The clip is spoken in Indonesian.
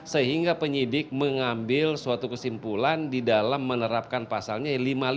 sehingga penyidik mengambil suatu kesimpulan di dalam menerapkan pasalnya lima puluh lima